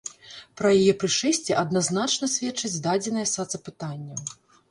Пра яе прышэсце адназначна сведчаць дадзеныя сацапытанняў.